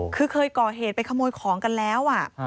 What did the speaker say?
คือเคยก่อเหตุไปขโมยของกันแล้ว